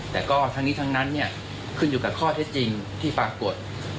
แต่ก็ทั้งนี้ทั้งนั้นเนี่ยขึ้นอยู่กับข้อเท็จจริงที่ปรากฏ